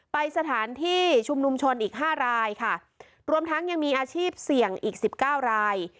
ไปสถานที่ชุมนุมชนอีกห้ารายค่ะรวมทั้งยังมีอาชีพเสี่ยงอีกสิบเก้าราย